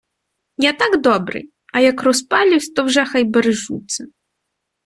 Я так добрий, а як розпалюсь, то вже хай бережуться...